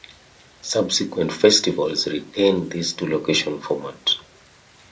Subsequent festivals retained this two-location format.